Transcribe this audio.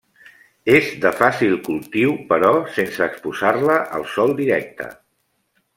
És de fàcil cultiu però sense exposar-la al sol directe.